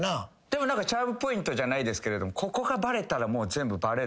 でもチャームポイントじゃないですけどここがバレたら全部バレるぞとか。